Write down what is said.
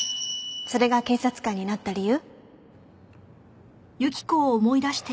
それが警察官になった理由？